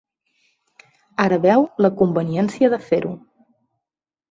Ara veu la conveniència de fer-ho.